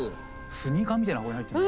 スニーカーみたいな箱に入ってる。